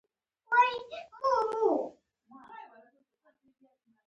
داسې واکمنې ډلې رامنځته کړي چې مسلط دي.